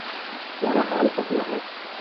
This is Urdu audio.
ہمارا حال پتلا ہے۔